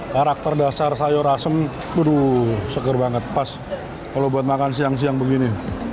karakter dasar sayur asem aduh segar banget pas kalau buat makan siang siang begini